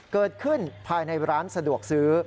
เกิดขึ้นภายในร้านสะดวกซื้อ